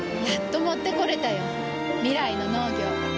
やっと持ってこれたよ。未来の農業。